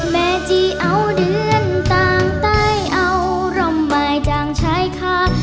แม่จี้เอาเดือนต่างตายเอาล่อมหมายจางชายคา